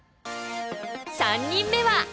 ３人目は！